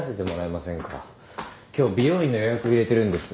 今日美容院の予約入れてるんです。